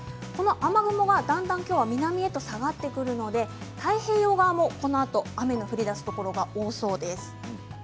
この雨雲がだんだんきょうは南へと下がってくるので太平洋側もこのあと雨が降りだすところが多そうです。